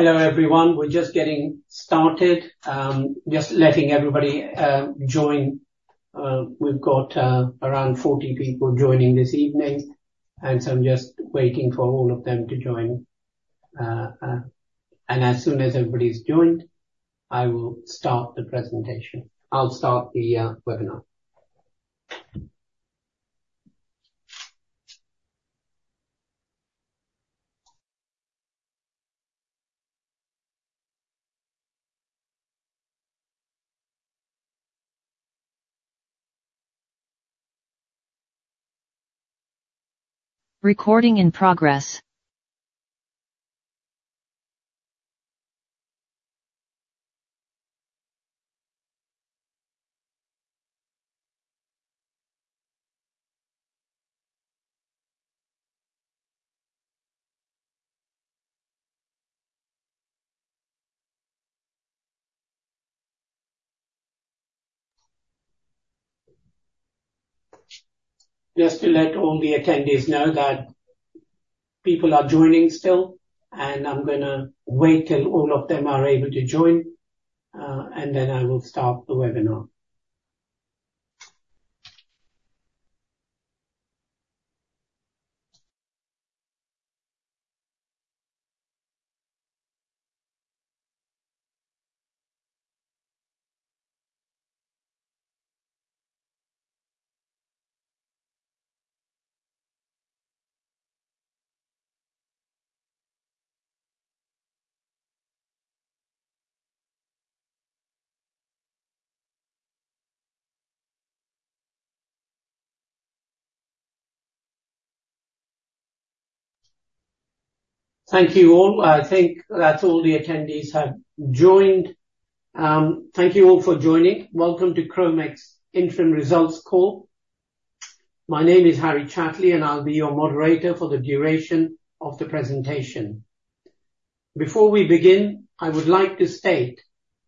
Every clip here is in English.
Hello, everyone. We're just getting started. Just letting everybody join. We've got around 40 people joining this evening, and so I'm just waiting for all of them to join, and as soon as everybody's joined, I will start the presentation. I'll start the webinar. Just to let all the attendees know that people are joining still, and I'm gonna wait till all of them are able to join, and then I will start the webinar. Thank you all. I think that all the attendees have joined. Thank you all for joining. Welcome to Kromek's Interim Results Call. My name is Harry Chathli, and I'll be your moderator for the duration of the presentation. Before we begin, I would like to state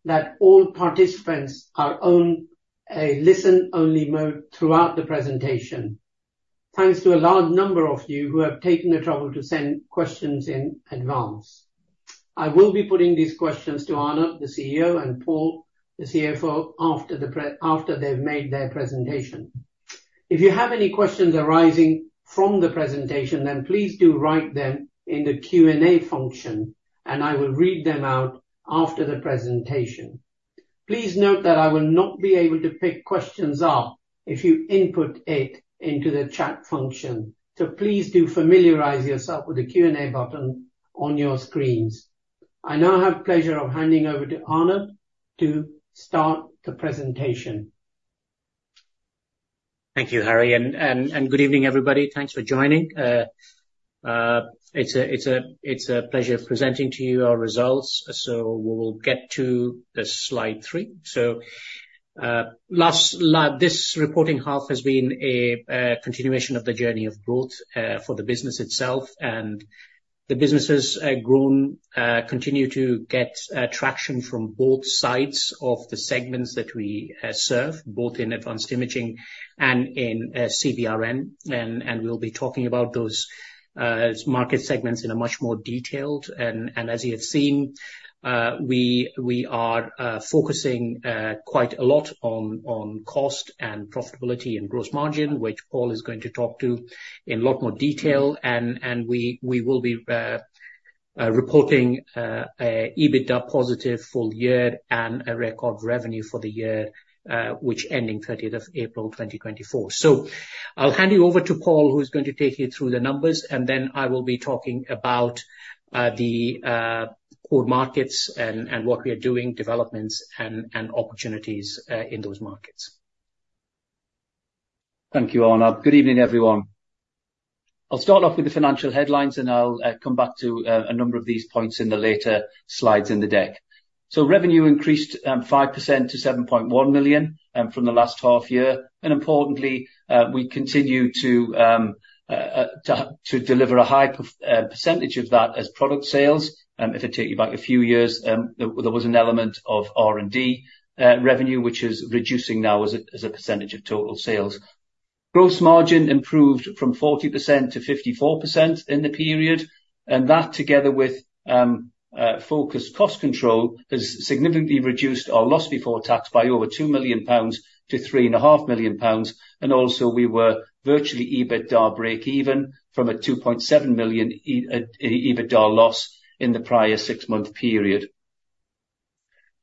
that all participants are on a listen-only mode throughout the presentation, thanks to a large number of you who have taken the trouble to send questions in advance. I will be putting these questions to Arnab, the CEO, and Paul, the CFO, after they've made their presentation. If you have any questions arising from the presentation, then please do write them in the Q&A function, and I will read them out after the presentation. Please note that I will not be able to pick questions up if you input it into the chat function, so please do familiarize yourself with the Q&A button on your screens. I now have the pleasure of handing over to Arnab to start the presentation. Thank you, Harry. And good evening, everybody. Thanks for joining. It's a pleasure presenting to you our results, so we'll get to the Slide 3. So this reporting half has been a continuation of the journey of both for the business itself, and the businesses have grown, continue to get traction from both sides of the segments that we serve, both in advanced imaging and in CBRN. And we'll be talking about those market segments in much more detail. And as you have seen, we are focusing quite a lot on cost and profitability and gross margin, which Paul is going to talk to in a lot more detail. And we will be reporting an EBITDA positive for the year and a record revenue for the year, which ending 30th of April 2024. So I'll hand you over to Paul, who's going to take you through the numbers, and then I will be talking about the core markets and what we are doing, developments, and opportunities in those markets. Thank you, Arnab. Good evening, everyone. I'll start off with the financial headlines, and I'll come back to a number of these points in the later slides in the deck. So revenue increased 5% to 7.1 million from the last half year. And importantly, we continue to deliver a high percentage of that as product sales. If I take you back a few years, there was an element of R&D revenue, which is reducing now as a percentage of total sales. Gross margin improved from 40% to 54% in the period. And that, together with focused cost control, has significantly reduced our loss before tax by over 2 million pounds to 3.5 million pounds. And also, we were virtually EBITDA break-even from a 2.7 million EBITDA loss in the prior six-month period.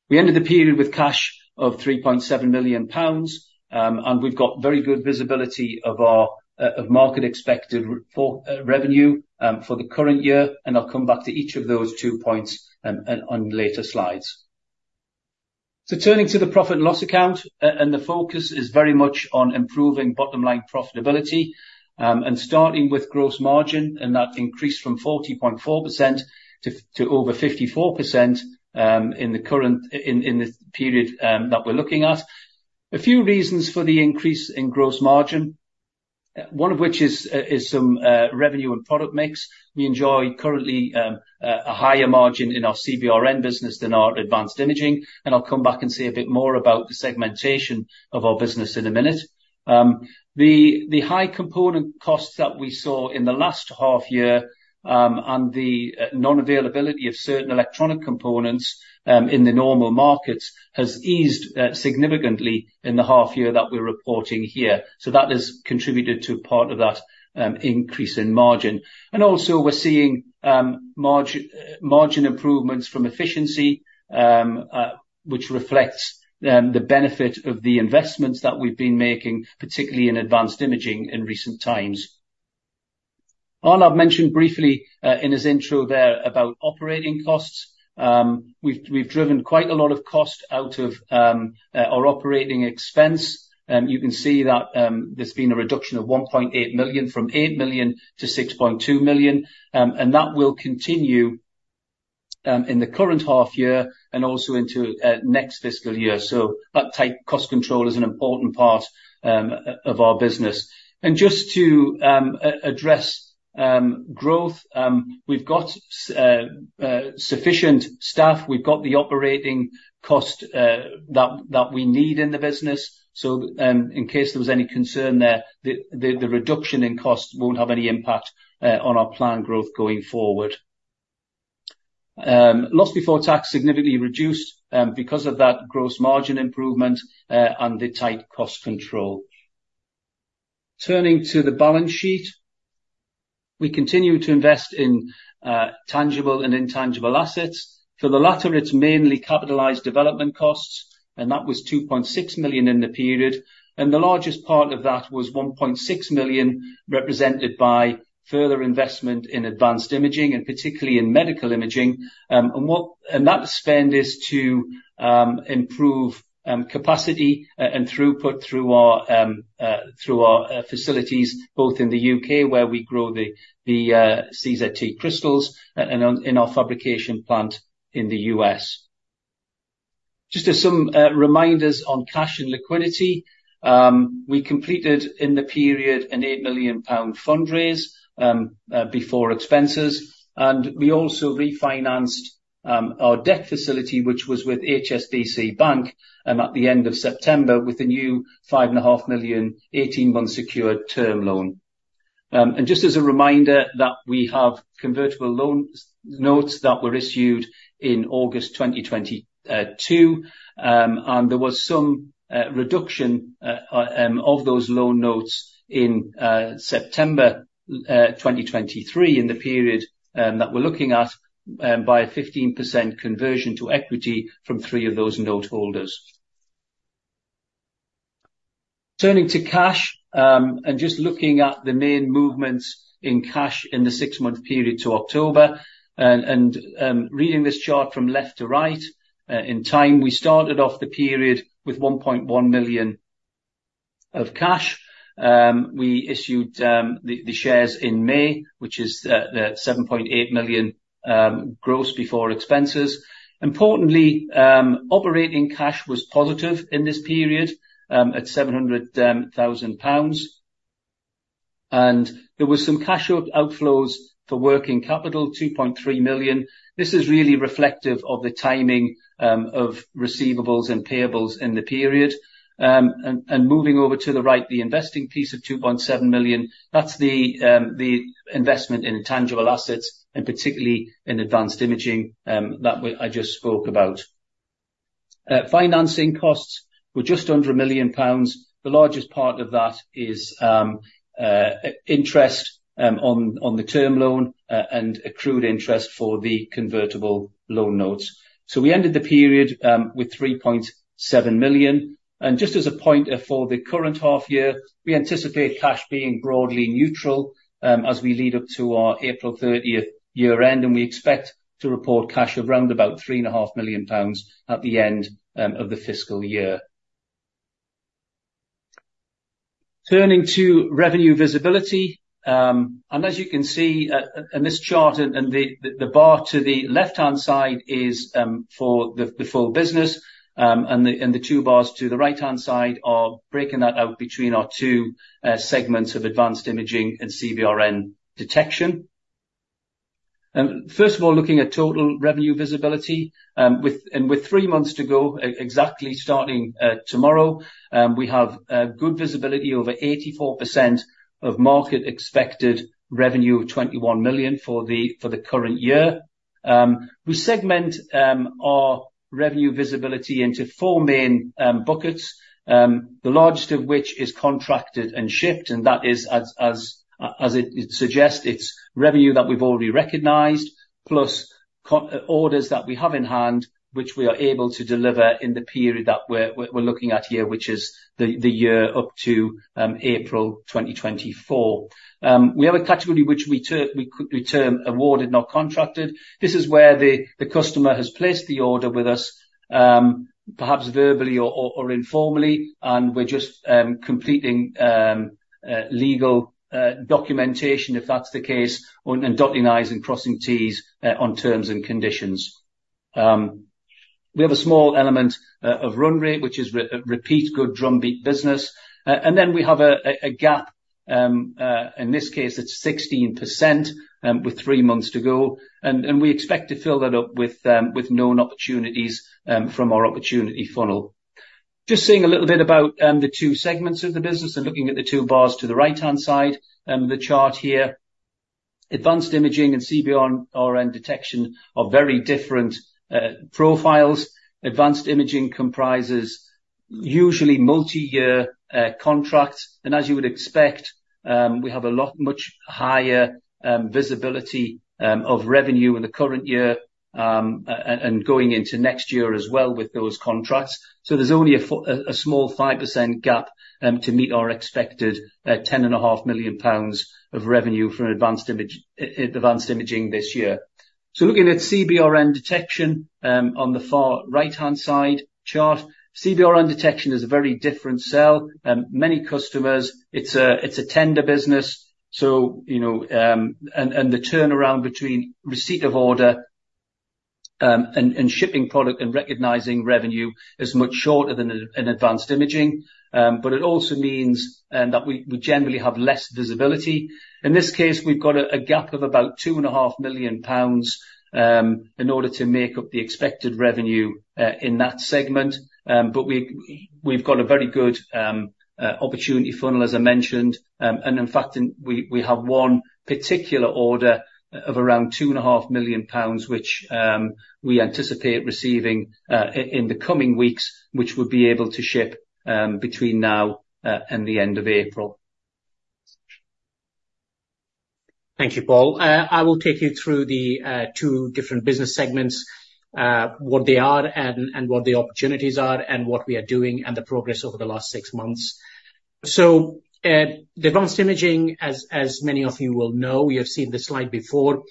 We ended the period with cash of 3.7 million pounds, and we've got very good visibility of market-expected revenue for the current year. And I'll come back to each of those two points on later slides. So turning to the profit and loss account, and the focus is very much on improving bottom-line profitability, and starting with gross margin, and that increased from 40.4% to over 54% in the current period that we're looking at. A few reasons for the increase in gross margin, one of which is some revenue and product mix. We enjoy currently a higher margin in our CBRN business than our advanced imaging. And I'll come back and say a bit more about the segmentation of our business in a minute. The high component costs that we saw in the last half year, and the non-availability of certain electronic components in the normal markets has eased significantly in the half year that we're reporting here. So that has contributed to part of that increase in margin. And also, we're seeing margin improvements from efficiency, which reflects the benefit of the investments that we've been making, particularly in advanced imaging in recent times. Arnab mentioned briefly in his intro there about operating costs. We've driven quite a lot of cost out of our operating expense. You can see that there's been a reduction of 1.8 million from 8 million to 6.2 million. And that will continue in the current half year and also into next fiscal year. So that type of cost control is an important part of our business. And just to address growth, we've got sufficient staff. We've got the operating cost that we need in the business. So, in case there was any concern there, the reduction in cost won't have any impact on our planned growth going forward. Loss before tax significantly reduced because of that gross margin improvement and the tight cost control. Turning to the balance sheet, we continue to invest in tangible and intangible assets. For the latter, it's mainly capitalized development costs, and that was 2.6 million in the period, and the largest part of that was 1.6 million, represented by further investment in advanced imaging, and particularly in medical imaging, and that spend is to improve capacity and throughput through our facilities, both in the U.K., where we grow the CZT crystals, and in our fabrication plant in the U.S. Just some reminders on cash and liquidity, we completed in the period a 8 million pound fundraise, before expenses. We also refinanced our debt facility, which was with HSBC Bank, at the end of September, with a new 5.5 million 18-month secured term loan. Just as a reminder that we have convertible loan notes that were issued in August 2022. There was some reduction of those loan notes in September 2023 in the period that we're looking at, by a 15% conversion to equity from three of those noteholders. Turning to cash, and just looking at the main movements in cash in the six-month period to October, and reading this chart from left to right, in time, we started off the period with 1.1 million of cash. We issued the shares in May, which is 7.8 million, gross before expenses. Importantly, operating cash was positive in this period, at 700,000 pounds. And there were some cash outflows for working capital, 2.3 million. This is really reflective of the timing, of receivables and payables in the period. and moving over to the right, the investing piece of 2.7 million, that's the investment in tangible assets, and particularly in advanced imaging, that we, I just spoke about. Financing costs were just under 1 million pounds. The largest part of that is, interest, on the term loan, and accrued interest for the convertible loan notes. So we ended the period, with 3.7 million. And just as a point for the current half year, we anticipate cash being broadly neutral, as we lead up to our April 30th year-end, and we expect to report cash of around about 3.5 million pounds at the end, of the fiscal year. Turning to revenue visibility, and as you can see, in this chart, and the bar to the left-hand side is, for the full business, and the two bars to the right-hand side are breaking that out between our two segments of advanced imaging and CBRN detection. First of all, looking at total revenue visibility, with three months to go, exactly starting tomorrow, we have good visibility over 84% of market-expected revenue of 21 million for the current year. We segment our revenue visibility into four main buckets, the largest of which is contracted and shipped, and that is, as it suggests, it's revenue that we've already recognized, plus orders that we have in hand, which we are able to deliver in the period that we're looking at here, which is the year up to April 2024. We have a category which we term awarded not contracted. This is where the customer has placed the order with us, perhaps verbally or informally, and we're just completing legal documentation, if that's the case, and dotting i's and crossing t's on terms and conditions. We have a small element of run rate, which is repeat good drumbeat business. And then we have a gap; in this case, it's 16% with three months to go. And we expect to fill that up with known opportunities from our opportunity funnel. Just seeing a little bit about the two segments of the business and looking at the two bars to the right-hand side, the chart here. Advanced imaging and CBRN detection are very different profiles. Advanced imaging comprises usually multi-year contracts. As you would expect, we have a lot much higher visibility of revenue in the current year and going into next year as well with those contracts. There's only a small 5% gap to meet our expected 10.5 million pounds of revenue for advanced imaging this year. Looking at CBRN detection on the far right-hand side chart, CBRN detection is a very different sell. Many customers, it's a tender business. You know, the turnaround between receipt of order and shipping product and recognizing revenue is much shorter than in advanced imaging. It also means that we generally have less visibility. In this case, we've got a gap of about 2.5 million pounds in order to make up the expected revenue in that segment. We've got a very good opportunity funnel, as I mentioned and in fact, we have one particular order of around 2.5 million pounds, which we anticipate receiving in the coming weeks, which would be able to ship between now and the end of April. Thank you, Paul. I will take you through the two different business segments, what they are and what the opportunities are and what we are doing and the progress over the last six months. The advanced imaging, as many of you will know, you have seen the slide before.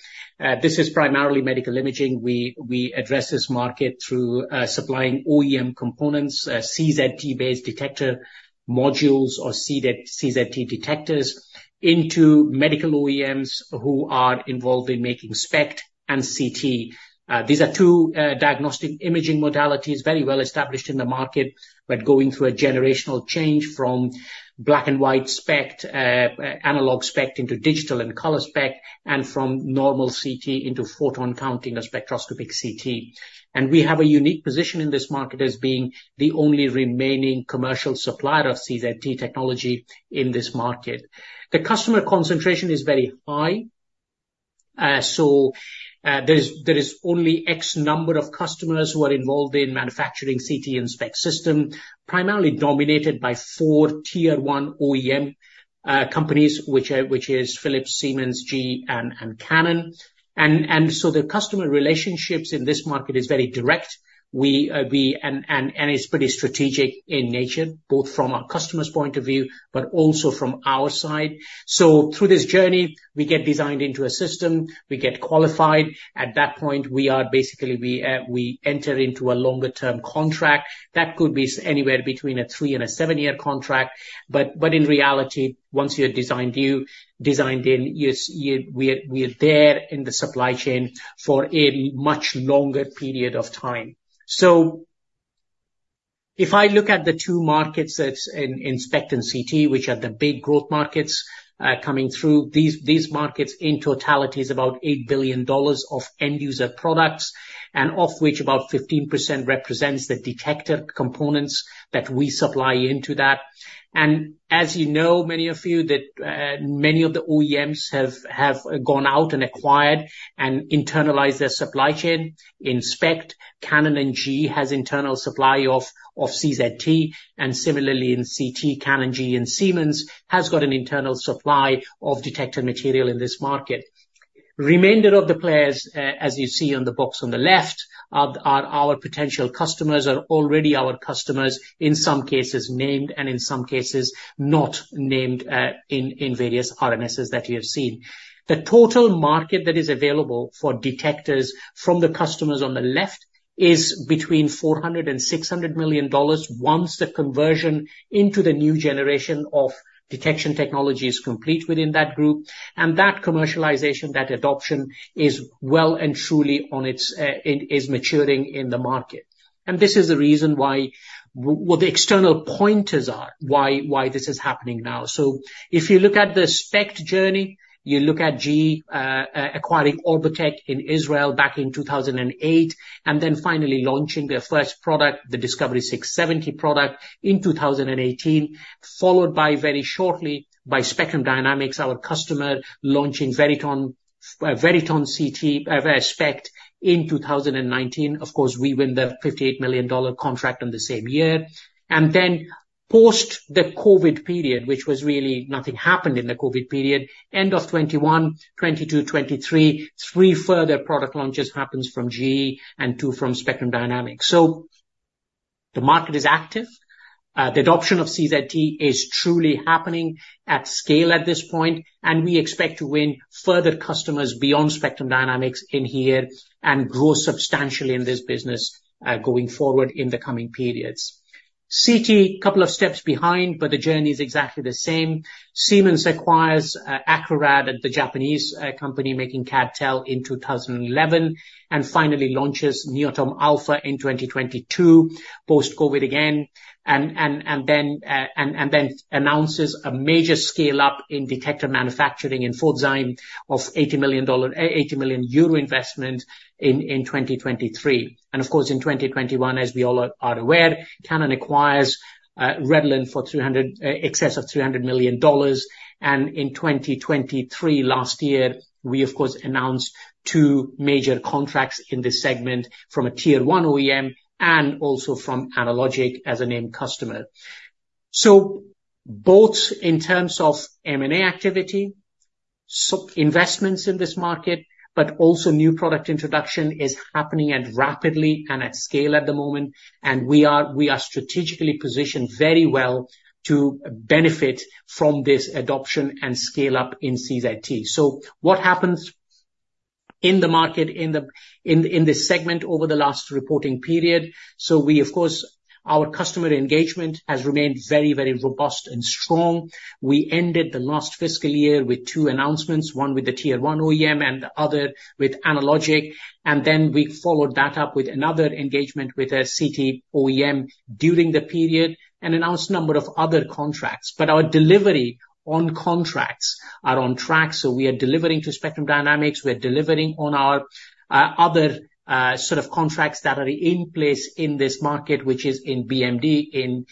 This is primarily medical imaging. We address this market through supplying OEM components, CZT-based detector modules or CZT detectors into medical OEMs who are involved in making SPECT and CT. These are two diagnostic imaging modalities very well established in the market, but going through a generational change from black and white SPECT, analog SPECT into digital and color SPECT, and from normal CT into photon counting or spectroscopic CT. We have a unique position in this market as being the only remaining commercial supplier of CZT technology in this market. The customer concentration is very high. There is only X number of customers who are involved in manufacturing CT and SPECT system, primarily dominated by four Tier 1 OEM companies, which are Philips, Siemens, GE, and Canon. The customer relationships in this market is very direct. It is pretty strategic in nature, both from our customer's point of view, but also from our side. Through this journey, we get designed into a system, we get qualified. At that point, we basically enter into a longer-term contract that could be anywhere between a three and a seven-year contract. In reality, once you're designed in, we're there in the supply chain for a much longer period of time. If I look at the two markets that's in SPECT and CT, which are the big growth markets coming through, these markets in totality is about $8 billion of end-user products, and of which about 15% represents the detector components that we supply into that. And as you know, many of the OEMs have gone out and acquired and internalized their supply chain in SPECT. Canon and GE has internal supply of CZT. And similarly in CT, Canon, GE, and Siemens has got an internal supply of detector material in this market. Remainder of the players, as you see on the box on the left, are our potential customers, already our customers, in some cases named and in some cases not named, in various RNSs that you have seen. The total market that is available for detectors from the customers on the left is between $400 million-$600 million once the conversion into the new generation of detection technology is complete within that group. And that commercialization, that adoption is well and truly on its, is maturing in the market. And this is the reason why, what the external pointers are why, why this is happening now. So if you look at the SPECT journey, you look at GE acquiring Orbotech in Israel back in 2008, and then finally launching their first product, the Discovery 670 product in 2018, followed very shortly by Spectrum Dynamics, our customer, launching VERITON-CT in 2019. Of course, we win the $58 million contract in the same year. Then post the COVID period, which was really nothing happened in the COVID period, end of 2021, 2022, 2023, three further product launches happen from GE and two from Spectrum Dynamics. So the market is active. The adoption of CZT is truly happening at scale at this point, and we expect to win further customers beyond Spectrum Dynamics in here and grow substantially in this business, going forward in the coming periods. CT, a couple of steps behind, but the journey is exactly the same. Siemens acquires Acrorad, the Japanese company making CdTe in 2011, and finally launches NAEOTOM Alpha in 2022, post-COVID again, and then announces a major scale-up in detector manufacturing in Pforzheim of EUR 80 million investment in 2023. Of course, in 2021, as we all are aware, Canon acquires Redlen in excess of $300 million. In 2023, last year, we, of course, announced two major contracts in this segment from a Tier 1 OEM and also from Analogic as a named customer. Both in terms of M&A activity, investments in this market, but also new product introduction is happening rapidly and at scale at the moment. We are strategically positioned very well to benefit from this adoption and scale up in CZT. What happens in the market, in this segment over the last reporting period? We, of course, our customer engagement has remained very, very robust and strong. We ended the last fiscal year with two announcements, one with the Tier 1 OEM and the other with Analogic. Then we followed that up with another engagement with a CT OEM during the period and announced a number of other contracts. But our delivery on contracts is on track. So we are delivering to Spectrum Dynamics. We're delivering on our other sort of contracts that are in place in this market, which is in BMD, in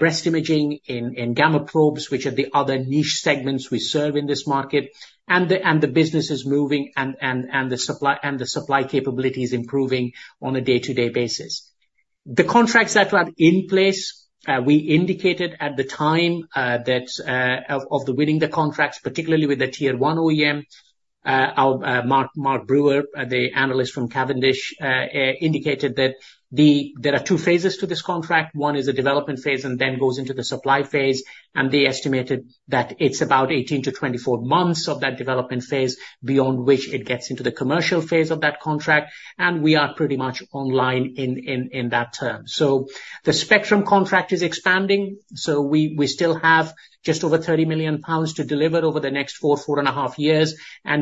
breast imaging, in gamma probes, which are the other niche segments we serve in this market. And the business is moving and the supply capability is improving on a day-to-day basis. The contracts that are in place, we indicated at the time that of winning the contracts, particularly with the Tier 1 OEM, our Mark Brewer, the analyst from Cavendish, indicated that there are two phases to this contract. One is a development phase and then goes into the supply phase. They estimated that it's about 18-24 months of that development phase, beyond which it gets into the commercial phase of that contract. We are pretty much online in that term. The Spectrum contract is expanding. We still have just over 30 million pounds to deliver over the next four and a half years.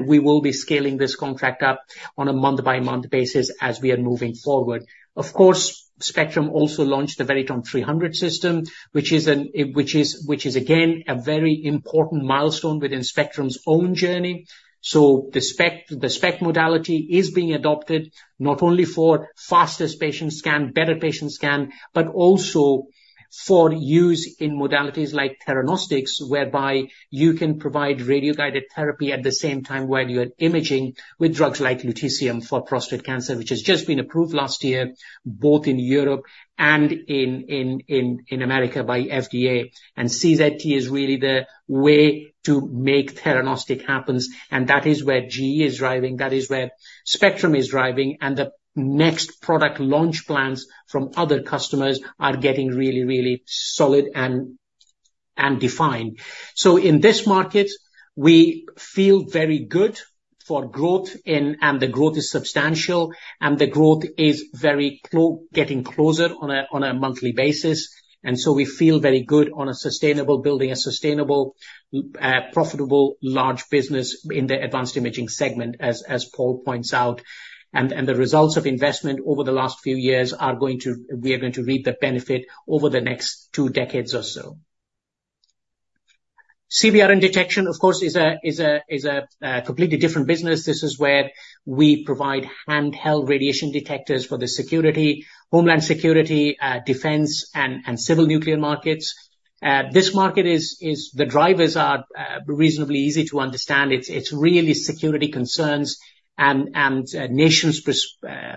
We will be scaling this contract up on a month-by-month basis as we are moving forward. Of course, Spectrum also launched the VERITON-CT system, which is again a very important milestone within Spectrum's own journey. The SPECT modality is being adopted not only for fastest patient scan, better patient scan, but also for use in modalities like theranostics, whereby you can provide radio-guided therapy at the same time while you're imaging with drugs like lutetium for prostate cancer, which has just been approved last year, both in Europe and in America by FDA. CZT is really the way to make theranostics happen. That is where GE is driving. That is where Spectrum is driving. The next product launch plans from other customers are getting really solid and defined. In this market, we feel very good for growth, and the growth is substantial, and the growth is very close, getting closer on a monthly basis. And so we feel very good on building a sustainable, profitable large business in the advanced imaging segment, as Paul points out. And the results of investment over the last few years are going to reap the benefit over the next two decades or so. CBRN detection, of course, is a completely different business. This is where we provide handheld radiation detectors for the security, homeland security, defense, and civil nuclear markets. This market is. The drivers are reasonably easy to understand. It's really security concerns and nations'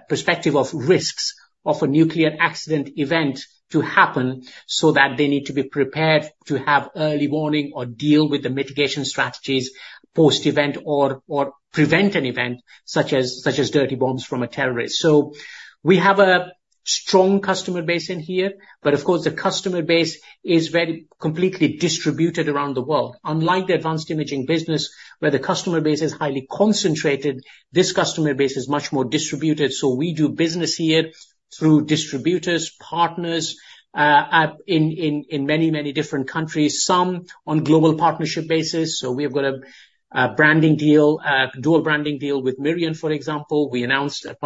perspective of risks of a nuclear accident event to happen so that they need to be prepared to have early warning or deal with the mitigation strategies post-event or prevent an event such as dirty bombs from a terrorist. So we have a strong customer base in here, but of course, the customer base is very completely distributed around the world. Unlike the advanced imaging business, where the customer base is highly concentrated, this customer base is much more distributed. So we do business here through distributors, partners, in many, many different countries, some on global partnership basis. So we have got a branding deal, a dual branding deal with Mirion, for example. We announced a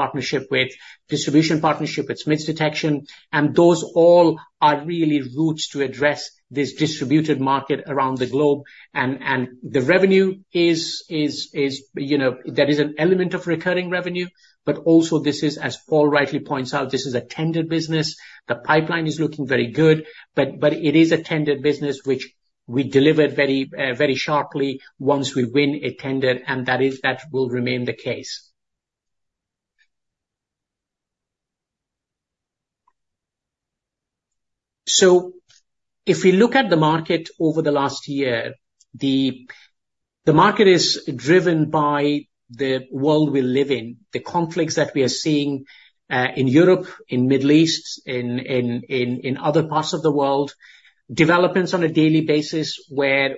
distribution partnership with Smiths Detection. And those all are really routes to address this distributed market around the globe. And the revenue is, you know, that is an element of recurring revenue. But also this is, as Paul rightly points out, this is a tender business. The pipeline is looking very good, but it is a tender business, which we deliver very, very sharply once we win a tender. And that is, that will remain the case. So if we look at the market over the last year, the market is driven by the world we live in, the conflicts that we are seeing, in Europe, in the Middle East, in other parts of the world, developments on a daily basis where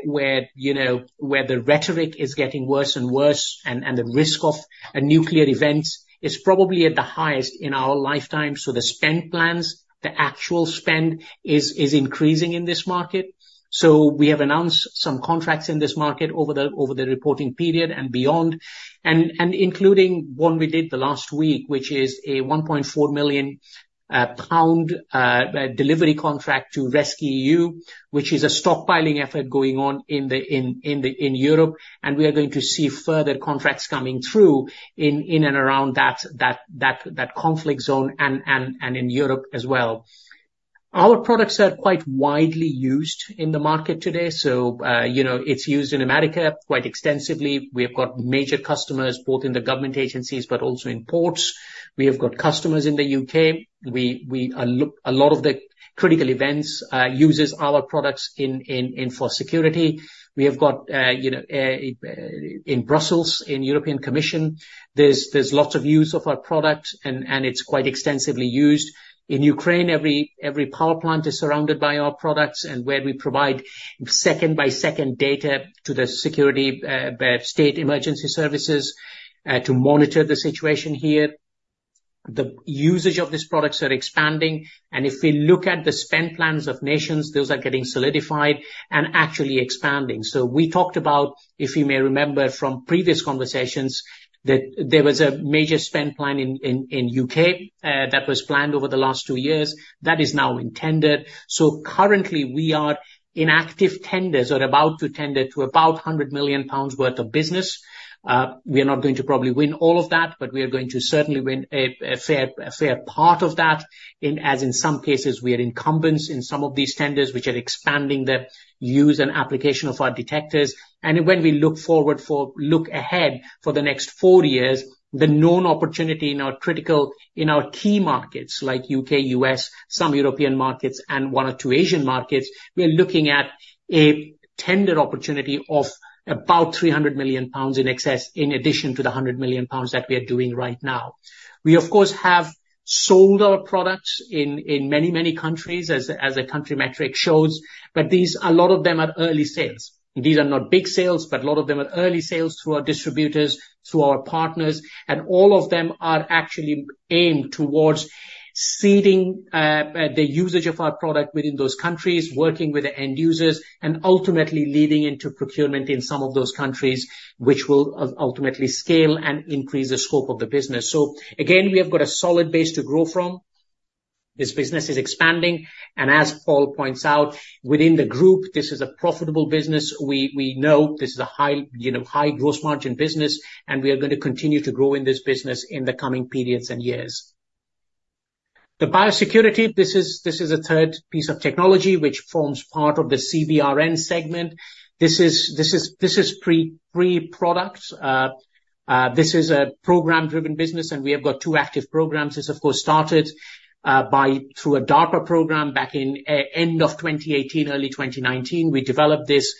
you know where the rhetoric is getting worse and worse, and the risk of a nuclear event is probably at the highest in our lifetime. So the spend plans, the actual spend is increasing in this market. We have announced some contracts in this market over the reporting period and beyond, and including one we did last week, which is a 1.4 million pound delivery contract to rescEU, which is a stockpiling effort going on in Europe. We are going to see further contracts coming through in and around that conflict zone and in Europe as well. Our products are quite widely used in the market today. You know, it's used in America quite extensively. We have got major customers both in the government agencies, but also in ports. We have got customers in the U.K. We are looking. A lot of the critical events use our products in for security. We have got, you know, in Brussels, in the European Commission, there's lots of use of our products and it's quite extensively used in Ukraine. Every power plant is surrounded by our products and where we provide second by second data to the security, state emergency services, to monitor the situation here. The usage of these products are expanding. And if we look at the spend plans of nations, those are getting solidified and actually expanding. So we talked about, if you may remember from previous conversations, that there was a major spend plan in the U.K., that was planned over the last two years that is now in tender. So currently we are in active tenders or about to tender to about 100 million pounds worth of business. We are not going to probably win all of that, but we are going to certainly win a fair part of that. In some cases, we are incumbents in some of these tenders, which are expanding the use and application of our detectors. When we look ahead for the next four years, the known opportunity in our key markets like U.K., U.S., some European markets, and one or two Asian markets, we are looking at a tender opportunity of about 300 million pounds in addition to the 100 million pounds that we are doing right now. We, of course, have sold our products in many countries, as a country metric shows, but a lot of them are early sales. These are not big sales, but a lot of them are early sales through our distributors, through our partners, and all of them are actually aimed towards seeding the usage of our product within those countries, working with the end users and ultimately leading into procurement in some of those countries, which will ultimately scale and increase the scope of the business, so again we have got a solid base to grow from. This business is expanding, and as Paul points out, within the group, this is a profitable business. We know this is a high, you know, high gross margin business, and we are going to continue to grow in this business in the coming periods and years. The biosecurity, this is a third piece of technology, which forms part of the CBRN segment. This is pre-products. This is a program-driven business, and we have got two active programs. This of course started through a DARPA program back in end of 2018, early 2019. We developed this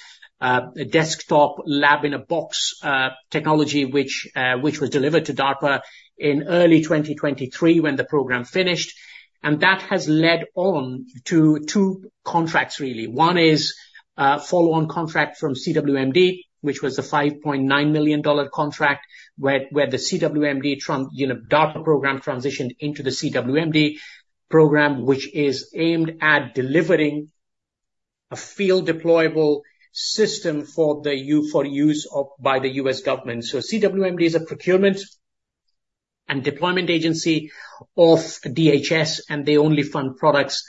desktop lab in a box technology, which was delivered to DARPA in early 2023 when the program finished, and that has led on to two contracts, really. One is follow-on contract from CWMD, which was the $5.9 million contract where the CWMD, you know, DARPA program transitioned into the CWMD program, which is aimed at delivering a field deployable system for use by the U.S. government. So CWMD is a procurement and deployment agency of DHS, and they only fund products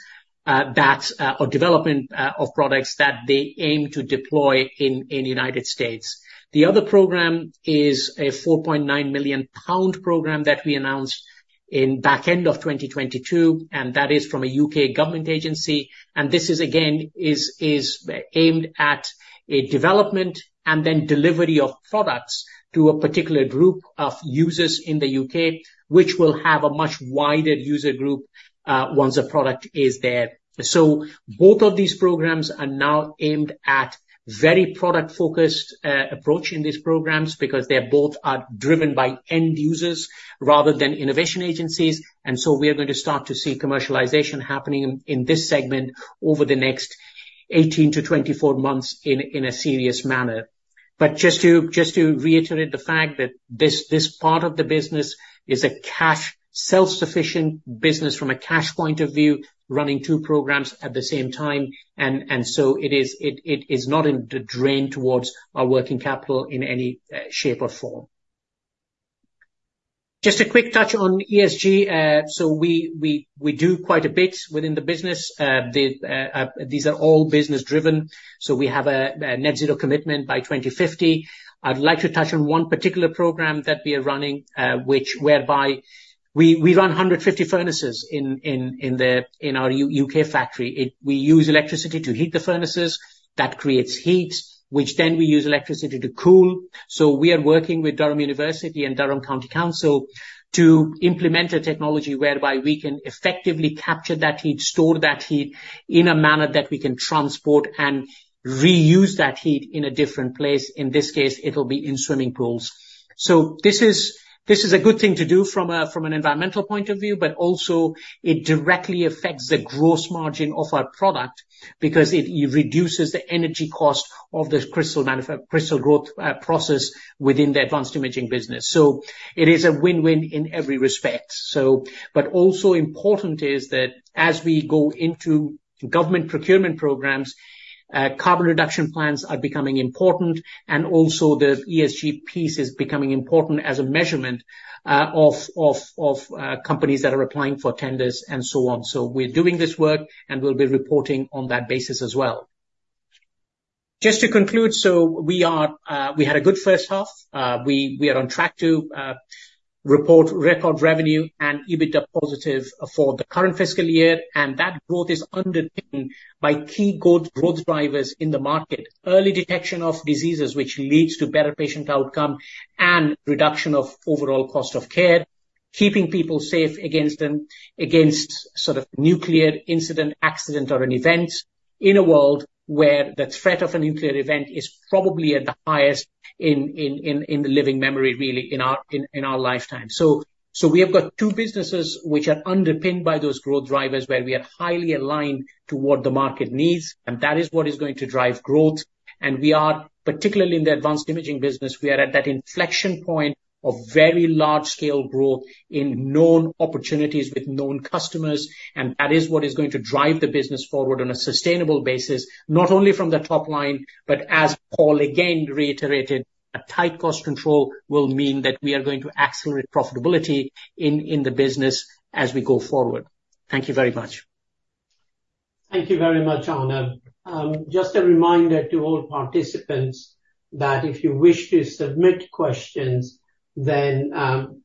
or development of products that they aim to deploy in the United States. The other program is a 4.9 million pound program that we announced in back end of 2022, and that is from a U.K. government agency. And this is again aimed at a development and then delivery of products to a particular group of users in the U.K., which will have a much wider user group, once a product is there. So both of these programs are now aimed at very product-focused approach in these programs because they both are driven by end users rather than innovation agencies. And so we are going to start to see commercialization happening in this segment over the next 18-24 months in a serious manner. But just to reiterate the fact that this part of the business is a cash self-sufficient business from a cash point of view, running two programs at the same time. And so it is not in the drain towards our working capital in any shape or form. Just a quick touch on ESG. So we do quite a bit within the business. These are all business-driven. So we have a net zero commitment by 2050. I'd like to touch on one particular program that we are running, whereby we run 150 furnaces in our U.K. factory. We use electricity to heat the furnaces that creates heat, which then we use electricity to cool. So we are working with Durham University and Durham County Council to implement a technology whereby we can effectively capture that heat, store that heat in a manner that we can transport and reuse that heat in a different place. In this case, it'll be in swimming pools. This is a good thing to do from an environmental point of view, but also it directly affects the gross margin of our product because it reduces the energy cost of the crystal manufacturing, crystal growth process within the advanced imaging business. So it is a win-win in every respect. But also important is that as we go into government procurement programs, carbon reduction plans are becoming important and also the ESG piece is becoming important as a measurement of companies that are applying for tenders and so on. So we're doing this work and we'll be reporting on that basis as well. Just to conclude, we had a good first half. We are on track to report record revenue and EBITDA positive for the current fiscal year. And that growth is underpinned by key growth drivers in the market, early detection of diseases, which leads to better patient outcome and reduction of overall cost of care, keeping people safe against them, against sort of nuclear incident, accident, or an event in a world where the threat of a nuclear event is probably at the highest in the living memory, really in our lifetime. So we have got two businesses which are underpinned by those growth drivers where we are highly aligned to what the market needs. And that is what is going to drive growth. And we are particularly in the advanced imaging business. We are at that inflection point of very large scale growth in known opportunities with known customers. And that is what is going to drive the business forward on a sustainable basis, not only from the top line, but as Paul again reiterated, a tight cost control will mean that we are going to accelerate profitability in the business as we go forward. Thank you very much. Thank you very much, Arnab. Just a reminder to all participants that if you wish to submit questions, then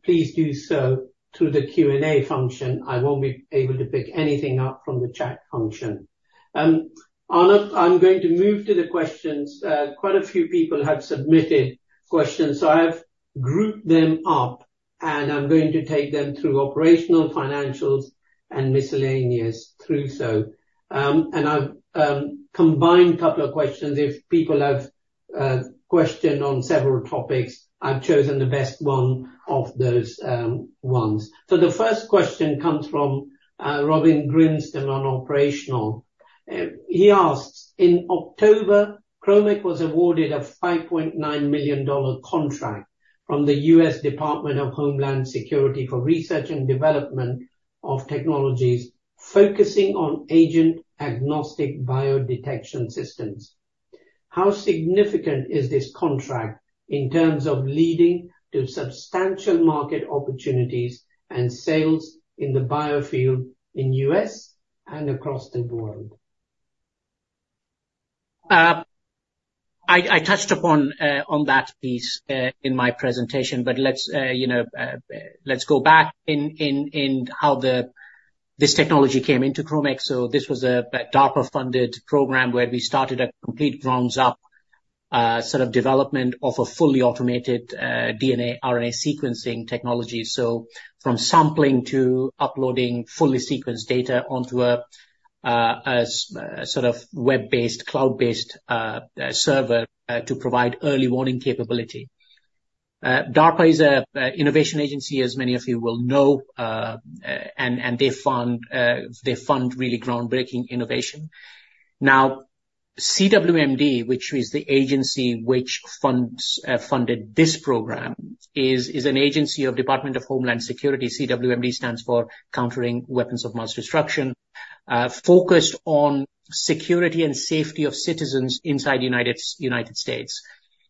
please do so through the Q&A function. I won't be able to pick anything up from the chat function. Arnab, I'm going to move to the questions. Quite a few people have submitted questions, so I've grouped them up and I'm going to take them through operational, financials, and miscellaneous, too, so. And I've combined a couple of questions. If people have questioned on several topics, I've chosen the best one of those. The first question comes from Robin Grimston on operational. He asks, in October, Kromek was awarded a $5.9 million contract from the U.S. Department of Homeland Security for research and development of technologies focusing on agent agnostic biodetection systems. How significant is this contract in terms of leading to substantial market opportunities and sales in the bio field in the U.S. and across the world? I touched upon that piece in my presentation, but let's go back in how this technology came into Kromek. This was a DARPA funded program where we started a complete ground up sort of development of a fully automated DNA RNA sequencing technology. From sampling to uploading fully sequenced data onto a sort of web-based cloud-based server to provide early warning capability. DARPA is an innovation agency, as many of you will know, and they fund really groundbreaking innovation. Now, CWMD, which is the agency which funded this program, is an agency of the Department of Homeland Security. CWMD stands for Countering Weapons of Mass Destruction, focused on security and safety of citizens inside the United States.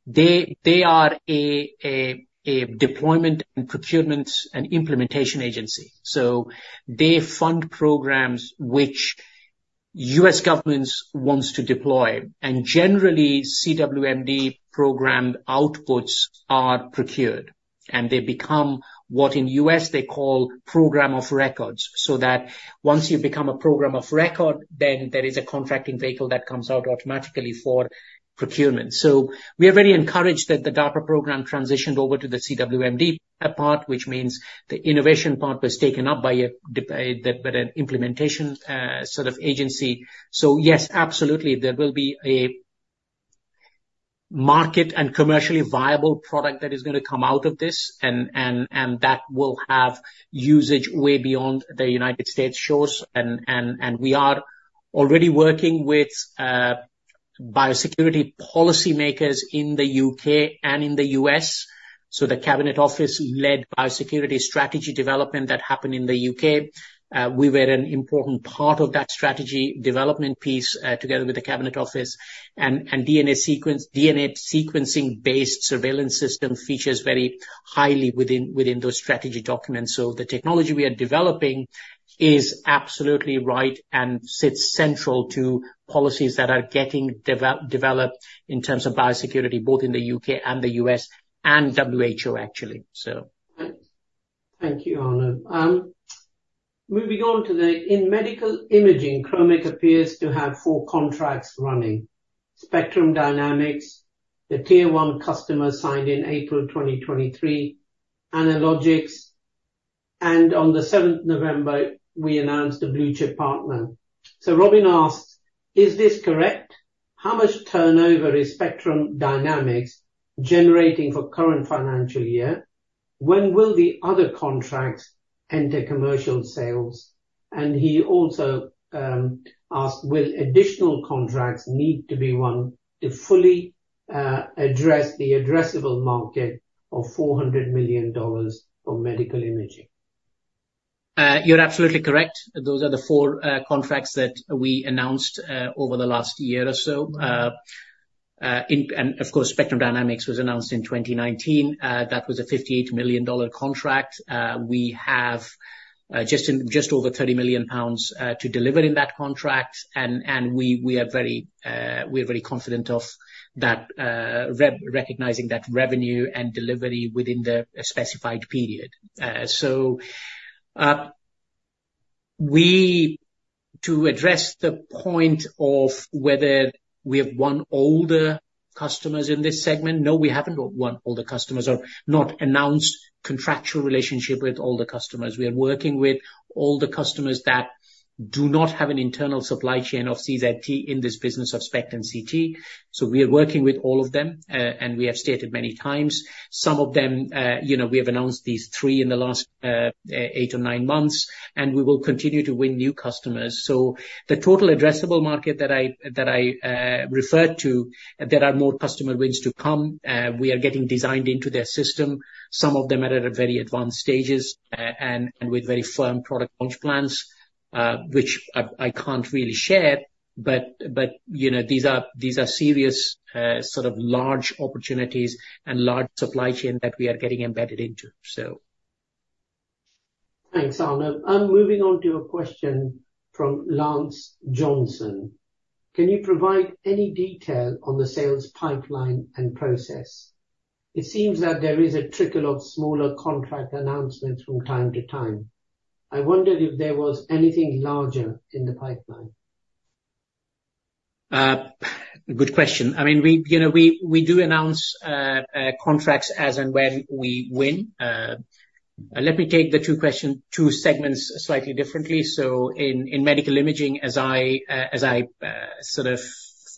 They are a deployment and procurements and implementation agency. So they fund programs which U.S. governments want to deploy. Generally, CWMD program outputs are procured and they become what in the U.S. they call program of records. So that once you become a program of record, then there is a contracting vehicle that comes out automatically for procurement. We are very encouraged that the DARPA program transitioned over to the CWMD part, which means the innovation part was taken up by but an implementation sort of agency. Yes, absolutely, there will be a market and commercially viable product that is going to come out of this and that will have usage way beyond the United States shores. We are already working with biosecurity policymakers in the U.K. and in the U.S. The Cabinet Office led biosecurity strategy development that happened in the U.K. We were an important part of that strategy development piece, together with the Cabinet Office and DNA sequencing based surveillance system features very highly within those strategy documents. So the technology we are developing is absolutely right and sits central to policies that are getting developed in terms of biosecurity, both in the U.K. and the U.S. and WHO actually. Thank you, Arnab. Moving on to the in medical imaging, Kromek appears to have four contracts running: Spectrum Dynamics, the Tier 1 customer signed in April 2023, Analogic, and on the 7th of November, we announced the Blue Chip Partner. So Robin asked, is this correct? How much turnover is Spectrum Dynamics generating for current financial year? When will the other contracts enter commercial sales? And he also asked, will additional contracts need to be won to fully address the addressable market of $400 million for medical imaging? You're absolutely correct. Those are the four contracts that we announced over the last year or so. And of course, Spectrum Dynamics was announced in 2019. That was a $58 million contract. We have just over 30 million pounds to deliver in that contract. We are very confident of that, recognizing that revenue and delivery within the specified period. To address the point of whether we have won all the customers in this segment, no, we haven't won OEM customers or announced contractual relationships with all customers. We are working with all customers that do not have an internal supply chain of CZT in this business of SPECT/CT. We are working with all of them, and we have stated many times, some of them, you know, we have announced these three in the last eight or nine months, and we will continue to win new customers. The total addressable market that I referred to, there are more customer wins to come. We are getting designed into their system, some of them at very advanced stages, and with very firm product launch plans, which I can't really share, but, you know, these are, these are serious, sort of large opportunities and large supply chain that we are getting embedded into. So. Thanks, Arnab. I'm moving on to a question from Lance Johnson. Can you provide any detail on the sales pipeline and process? It seems that there is a trickle of smaller contract announcements from time to time. I wondered if there was anything larger in the pipeline. Good question. I mean, we, you know, we, we do announce contracts as and when we win. Let me take the two questions, two segments slightly differently. So in medical imaging, as I, as I, sort of,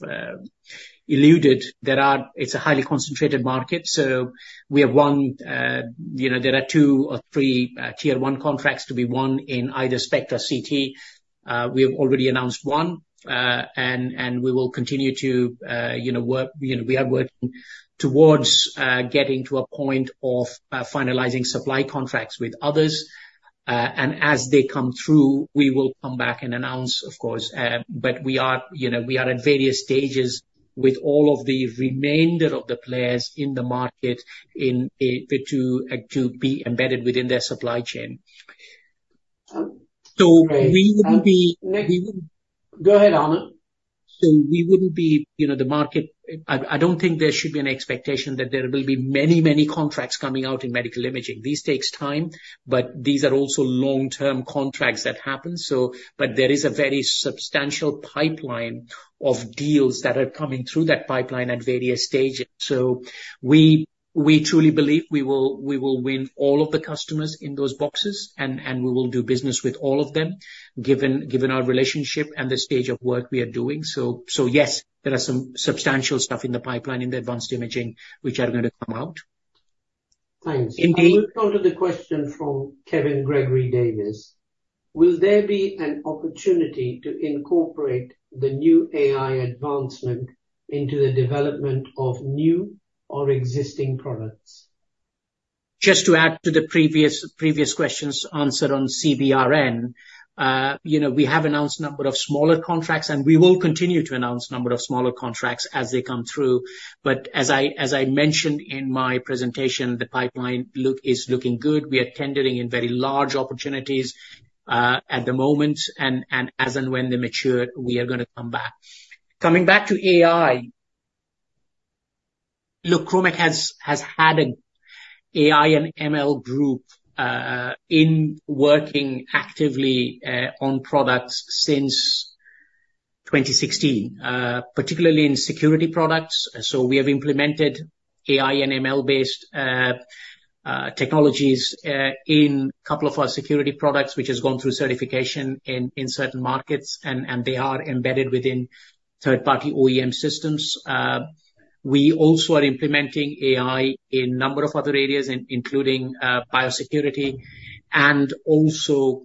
alluded, there are, it's a highly concentrated market. So we have one, you know, there are two or three Tier 1 contracts to be won in the SPECT/CT. We have already announced one, and we will continue to, you know, work, you know, we are working towards getting to a point of finalizing supply contracts with others. And as they come through, we will come back and announce, of course, but we are, you know, we are at various stages with all of the remainder of the players in the market in order to be embedded within their supply chain. We wouldn't be, we wouldn't. Go ahead, Arnab. We wouldn't be, you know, the market. I don't think there should be an expectation that there will be many contracts coming out in medical imaging. These take time, but these are also long-term contracts that happen. But there is a very substantial pipeline of deals that are coming through that pipeline at various stages. We truly believe we will win all of the customers in those boxes and we will do business with all of them given our relationship and the stage of work we are doing. Yes, there are some substantial stuff in the pipeline in the advanced imaging, which are going to come out. Thanks. Indeed. I'll move on to the question from Kevin Gregory Davis. Will there be an opportunity to incorporate the new AI advancement into the development of new or existing products? Just to add to the previous questions answered on CBRN, you know, we have announced a number of smaller contracts and we will continue to announce a number of smaller contracts as they come through. But as I mentioned in my presentation, the pipeline looks good. We are tendering in very large opportunities at the moment, and as and when they mature, we are going to come back. Coming back to AI, look, Kromek has had an AI and ML group working actively on products since 2016, particularly in security products. So we have implemented AI- and ML-based technologies in a couple of our security products, which has gone through certification in certain markets, and they are embedded within third-party OEM systems. We also are implementing AI in a number of other areas, including biosecurity and also